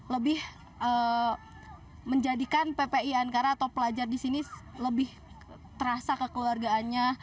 lebih menjadikan ppi ankara atau pelajar di sini lebih terasa kekeluargaannya